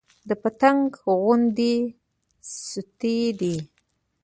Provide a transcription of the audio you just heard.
د پتنګ غوندې ستي دى